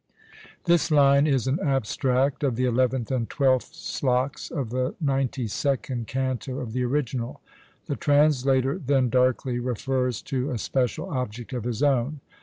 This line is an abstract of the eleventh and twelfth sloks of the ninety second canto of the original. The translator then darkly refers to a special object of his own.